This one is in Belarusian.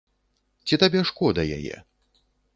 Ці табе шкода яе?